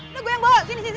nih gue yang bawa sini sini